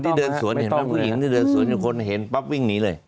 สวนเห็นบ้างผู้หญิงที่เดินสวนเห็นบ้างคนเห็นป๊อบวิ่งหนีเลย